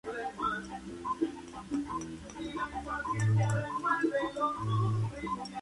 Usa Javascript para permanecer en la esquina superior derecha de la pantalla del navegador.